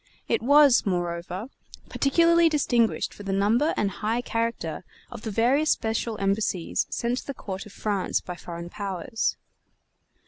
It was, moreover, particularly distinguished for the number and high character of the various special embassies sent to the court of France by foreign powers.